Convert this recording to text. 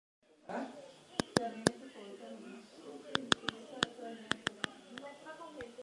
Anglicano, Johnston nació en Washington D. C. como "Eric Johnson".